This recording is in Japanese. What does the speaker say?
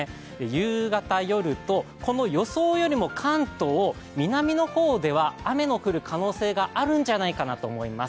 夕方夜と、予想では、南の方では雨の降る可能性があるんじゃないかなと思います。